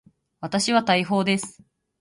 私は大砲です。